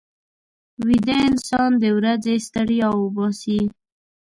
ویده انسان د ورځې ستړیا وباسي